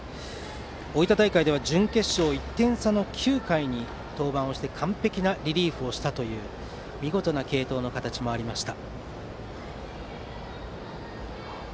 大分大会では準決勝、１点差の９回に登板して完璧なリリーフをしたという見事な継投もありました。